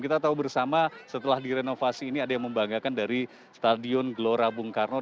kita tahu bersama setelah direnovasi ini ada yang membanggakan dari stadion gelora bung karno